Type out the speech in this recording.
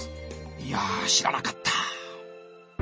いや知らなかった。